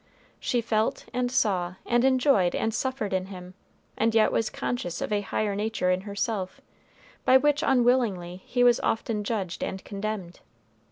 She felt, and saw, and enjoyed, and suffered in him, and yet was conscious of a higher nature in herself, by which unwillingly he was often judged and condemned.